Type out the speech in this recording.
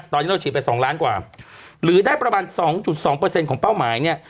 ตอนนี้เราฉีดไปสองล้านกว่าหรือได้ประมาณสองจุดสองเปอร์เซ็นต์ของเป้าหมายเนี่ย